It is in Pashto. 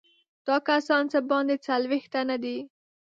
دا کسان څه باندې څلوېښت تنه دي.